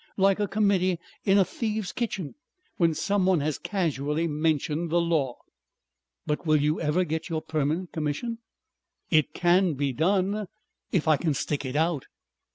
"Like a committee in a thieves' kitchen when someone has casually mentioned the law." "But will you ever get your Permanent Commission?" "It can be done. If I can stick it out."